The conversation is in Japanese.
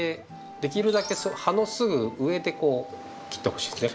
できるだけ葉のすぐ上でこう切ってほしいですね。